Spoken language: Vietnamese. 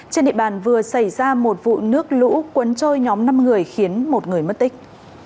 trên địa bàn vừa xảy ra một vụ nước lũ cuốn trôi nhóm năm người khiến một người mất tích